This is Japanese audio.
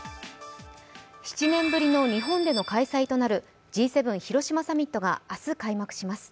７年ぶりの日本での開催となるＧ７広島サミットが明日開幕します。